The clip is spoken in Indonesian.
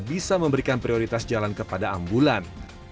bisa memberikan prioritas jalan kepada ambulan